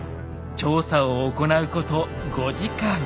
調査を行うこと５時間。